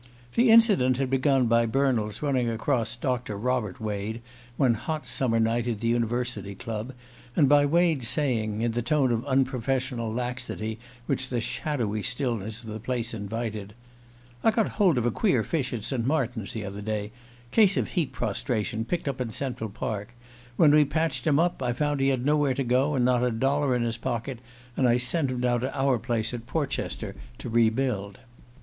The incident had begun by Bernald's running across Doctor Robert Wade one hot summer night at the University Club, and by Wade's saying, in the tone of unprofessional laxity which the shadowy stillness of the place invited: "I got hold of a queer fish at St. Martin's the other day case of heat prostration picked up in Central Park. When we'd patched him up I found he had nowhere to go, and not a dollar in his pocket, and I sent him down to our place at Portchester to re build."